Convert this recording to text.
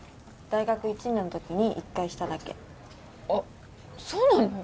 大学１年のときに１回シただけあっそうなの！？